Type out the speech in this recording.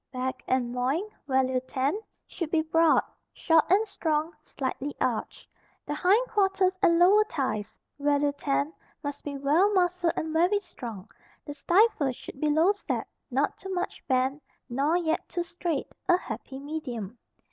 Back and loin (value 10) should be broad, short and strong, slightly arched. The hindquarters and lower thighs (value 10) must be well muscled and very strong. The stifle should be low set, not too much bent, nor yet too straight, a happy medium.